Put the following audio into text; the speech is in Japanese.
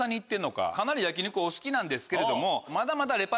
かなり焼き肉お好きなんですけれども。